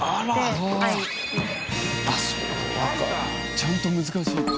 ちゃんと難しい。